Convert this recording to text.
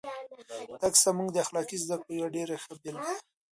دا کیسه زموږ د اخلاقي زده کړو یوه ډېره ښه بېلګه ده.